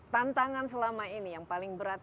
tantangan selama ini yang paling berat